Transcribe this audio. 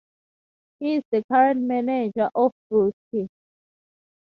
He is the current manager of Brusque.